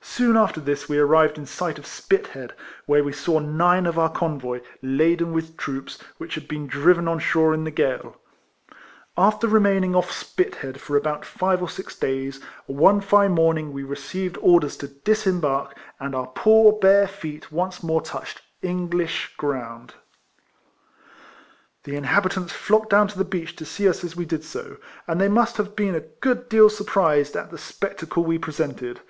Soon after this we arrived in sight of Spithead, where we saw nine of our convoy, laden with troops, which had been driven on shore in the gale. After remaining off Spithead for about five or six days, one fine morning we received orders to disembark, and our poor bare feet once more touched Enfrlish 2:round. 236 RECOLLECTIONS OF The inhabitants flocked down to the beach to see us as we did so, and they must have been a good deal surprised at the spectacle we presented.